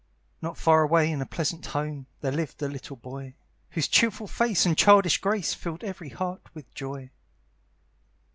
Not far away in a pleasant home, There lived a little boy, Whose cheerful face and childish grace Filled every heart with joy.